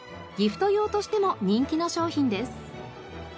ギフト用としても人気の商品です。